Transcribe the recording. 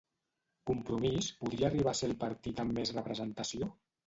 Compromís podria arribar a ser el partit amb més representació?